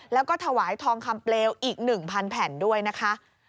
แล้วก็ถวายทองคำเปลวอีก๑๐๐แผ่นด้วยนะคะ